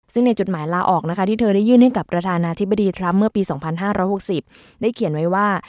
ซึ่งในจดหมายลาออกนะคะที่เธอได้ยื่นให้กับประธานาธิบดีทรัมป์เมื่อปี๒๕๖๐ได้เขียนไว้ว่า